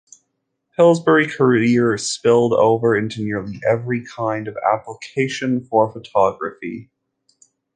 Pillsbury's career spilled over into nearly every kind of application for photography.